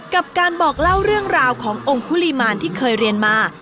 กับการบอกเล่าเรื่องราวขององค์คุริมารที่เคยเรียนมา